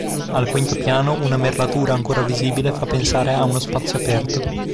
Al quinto piano una merlatura ancora visibile fa pensare a uno spazio aperto.